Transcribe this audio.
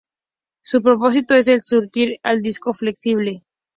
Su propósito es el de sustituir al disco flexible.